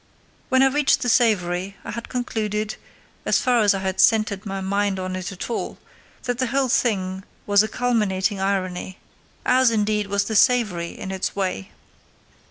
When I reached the savoury, I had concluded, so far as I had centred my mind on it at all, that the whole thing was a culminating irony, as, indeed, was the savoury in its way.